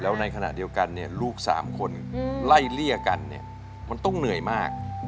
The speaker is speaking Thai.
แล้วในขณะเดียวกันเนี่ยลูกสามคนไล่เลี่ยกันเนี่ยมันต้องเหนื่อยมาก